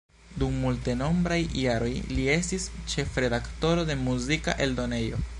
Dum multenombraj jaroj, li estis ĉefredaktoro de muzika eldonejo.